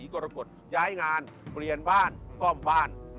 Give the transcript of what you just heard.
ในการนำชมสถานที่แล้วก็เล่าเรื่องราวต่างประวัติต่างหน่อย